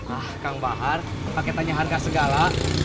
ah kang bahar paketannya harga segala